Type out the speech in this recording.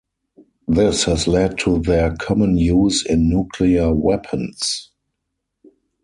This has led to their common use in nuclear weapons.